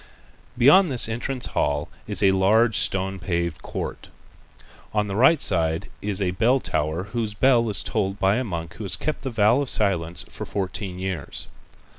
Beyond this entrance hall is a large stone paved court. On the right side is a bell tower whose bell is tolled by a monk who has kept the vow of silence for fourteen years.